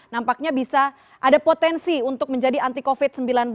nampaknya bisa ada potensi untuk menjadi anti covid sembilan belas